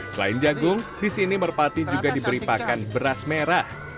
selain jagung di sini merpati juga diberi pakan beras merah